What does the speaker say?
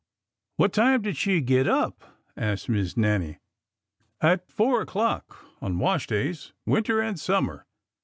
"What time did she get up?" asked Miss Nannie. " At four o'clock— on wash days— winter and summer.